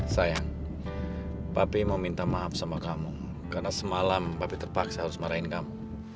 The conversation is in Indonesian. sayang bapi mau minta maaf sama kamu karena semalam papi terpaksa harus marahin kamu